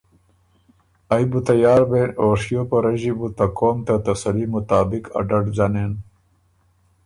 ائ بُو تیار بېن او شیو په رݫي بُو ته قوم ته تسلي مطابق ا ډډ ځنېن۔